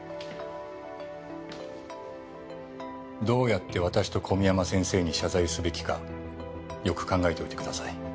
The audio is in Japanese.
どうやって私と小宮山先生に謝罪すべきかよく考えておいてください。